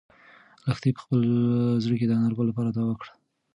لښتې په خپل زړه کې د انارګل لپاره دعا وکړه.